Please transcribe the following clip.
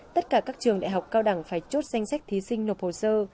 tất cả các trường đại học cao đẳng phải chốt danh sách thí sinh nộp hồ sơ